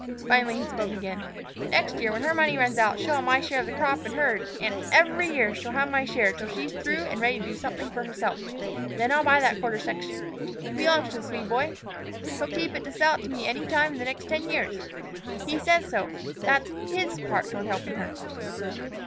Finally he spoke again. "Next year, when her money runs out, she'll have my share of the crop and herd; an' every year she'll have my share till she's through an' ready to do something for herself. Then I'll buy that quarter section. It belongs to the Swede boy. He'll keep it to sell it to me any time in the next ten years. He says so; that's his part toward helpin' her."